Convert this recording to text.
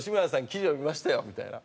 記事読みましたよ」みたいな。